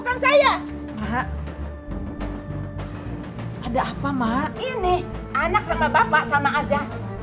ada apa mak ini anak sama bapak sama aja